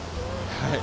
はい。